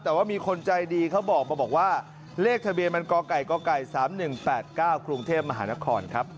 แต่ว่ามีคนใจดีเขาบอกว่าเลขทะเบียนมันกก๓๑๘๙ครุงเทพมหานครครับ